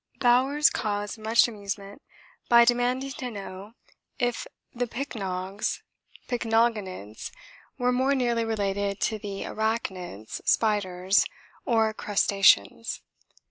Bowers caused much amusement by demanding to know 'If the pycnogs (pycnogonids) were more nearly related to the arachnids (spiders) or crustaceans.'